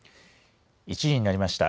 １時になりました。